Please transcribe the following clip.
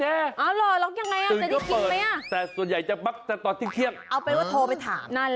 แล้วยังไงว่ายากจะได้กินมั้ย